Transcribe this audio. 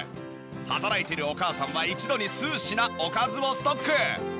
働いてるお母さんは一度に数品おかずをストック。